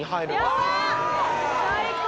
最高！